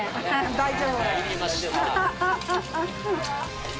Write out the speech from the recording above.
大丈夫。